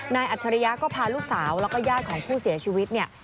อัจฉริยะก็พาลูกสาวแล้วก็ญาติของผู้เสียชีวิตเนี่ย